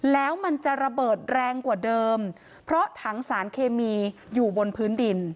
แล้วมันจะระเบิดแรงกว่าเดิมเพราะถังสารเคมีอยู่บนพื้นดิน